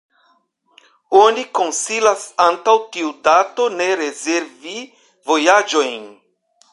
Oni konsilas antaŭ tiu dato ne rezervi vojaĝojn.